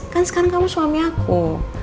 kan sekarang kamu suami aku